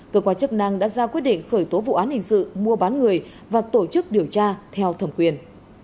cơ quan chức năng đã ra quyết định khởi tố vụ án hình sự mua bán người và tổ chức điều tra theo thẩm quyền